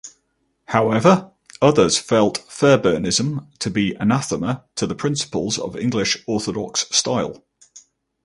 However, others felt Fairbairnism to be anathema to the principles of "English Orthodox" style.